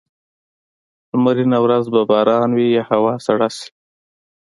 لمرینه ورځ به باران وي یا هوا سړه شي.